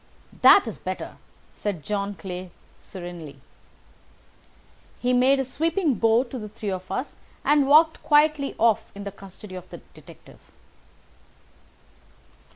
"That is better," said John Clay serenely. He made a sweeping bow to the three of us and walked quietly off in the custody of the detective.